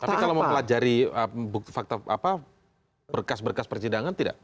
tapi kalau mau pelajari fakta apa berkas berkas percidangan tidak